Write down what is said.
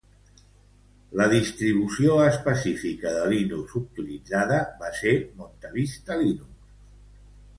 La distribució específica de Linux utilitzada va ser MontaVista Linux.